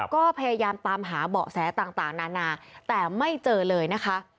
ก็พยายามตามหาเบาะแสต่างนานาแต่ไม่เจอเลยนะคะ